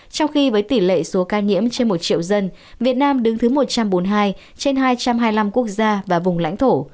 trong khi với tỷ lệ số ca nhiễm trên một triệu dân việt nam đứng thứ một trăm bốn mươi hai trên hai trăm hai mươi năm quốc gia và vùng lãnh thổ